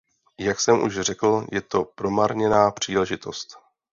Jak jsem už řekl, je to promarněná příležitost.